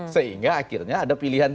sehingga akhirnya ada pilihan